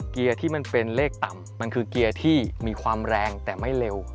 เกียร์ที่มันเป็นเลขต่ำมันคือเกียร์ที่มีความแรงแต่ไม่เร็ว